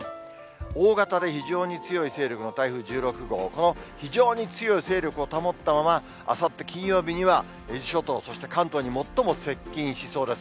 大型で非常に強い勢力の台風１６号、この非常に強い勢力を保ったまま、あさって金曜日には、伊豆諸島、そして関東に最も接近しそうです。